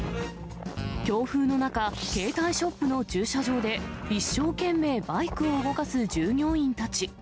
強風の中、携帯ショップの駐車場で一生懸命バイクを動かす従業員たち。